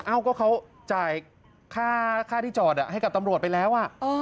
ว่าเขาจ่ายศาลที่จอดให้กับตำรวจไปแล้ว